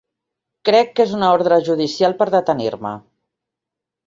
Crec que és una ordre judicial per detenir-me.